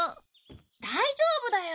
大丈夫だよ！